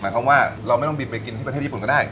หมายความว่าเราไม่ต้องบินไปกินที่ประเทศญี่ปุ่นก็ได้